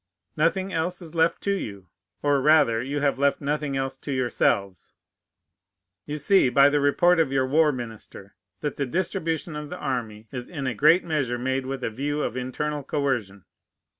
Nothing else is left to you, or rather, you have left nothing else to yourselves. You see, by the report of your war minister, that the distribution of the army is in a great measure made with a view of internal coercion.